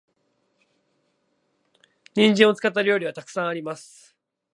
人参を使った料理は沢山あります。